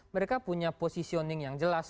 mereka punya positioning yang jelas